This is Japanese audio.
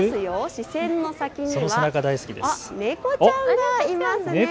視線の先には猫ちゃんがいますね。